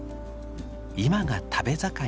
今が食べ盛り。